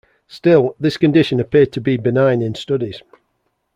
Still, this condition appeared to be benign in studies.